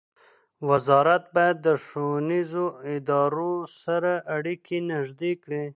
وزارت باید د ښوونیزو ادارو سره اړیکې نږدې کړي.